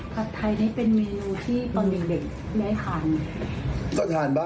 ผัดไทยนี่เป็นเมนูที่ตอนเด็กได้ทานไหม